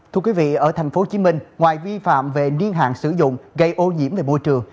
thưa quý vị ở tp hcm ngoài vi phạm về niên hạn sử dụng gây ô nhiễm về môi trường